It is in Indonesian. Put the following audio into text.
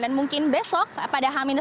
dan mungkin besok pada h lima